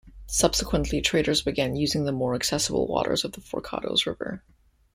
Subsequently, traders began using the more accessible waters of the Forcados River.